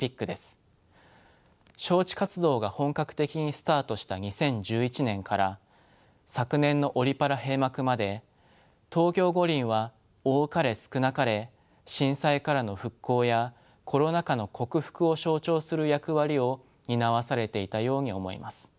招致活動が本格的にスタートした２０１１年から昨年のオリ・パラ閉幕まで東京五輪は多かれ少なかれ「震災からの復興」や「コロナ禍の克服」を象徴する役割を担わされていたように思います。